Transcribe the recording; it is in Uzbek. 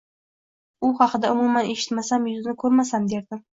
U haqida umuman eshitmasam, yuzini ko`rmasam derdim